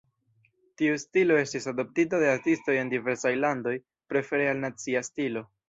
Tiu stilo estis adoptita de artistoj en diversaj landoj, prefere al "nacia" stilo.